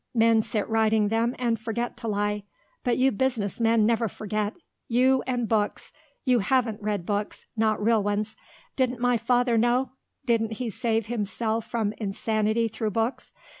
Men sit writing them and forget to lie, but you business men never forget. You and books! You haven't read books, not real ones. Didn't my father know; didn't he save himself from insanity through books?